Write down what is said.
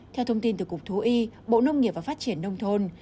theo thông tin từ cục thú y bộ nông nghiệp và phát triển nông thôn